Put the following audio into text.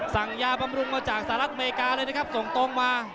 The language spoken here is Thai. สั่งยาบำรุงมาจากสหรัฐอเมริกาเลยนะครับส่งตรงมา